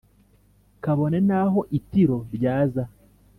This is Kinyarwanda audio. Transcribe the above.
. Kabone n’aho Itiro ryaza,